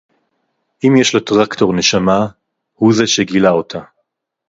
אִם יֵשׁ לַטְּרַקְטוֹר נְשָׁמָה, הוּא זֶה שֶׁגִּלָּה אוֹתָהּ